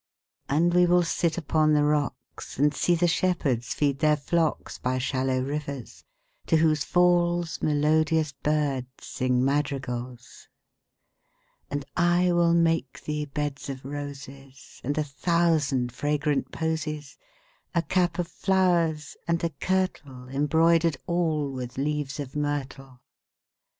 And we will sit upon the rocks, 5 And see the shepherds feed their flocks By shallow rivers, to whose falls Melodious birds sing madrigals. And I will make thee beds of roses And a thousand fragrant posies; 10 A cap of flowers, and a kirtle Embroider'd all with leaves of myrtle.